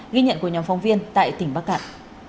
ghi nhận của nhóm phóng viên tại tỉnh bắc cạn